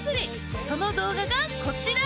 その動画がこちら！